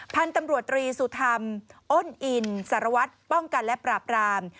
พันธุ์ตำรวจตรีสุธรรมอ้นอินสารวัตรป้องกันและปราบราม